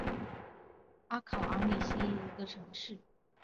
阿考昂是巴西皮奥伊州的一个市镇。